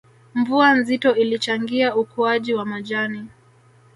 Mvua nzito ilichangia ukuaji wa majani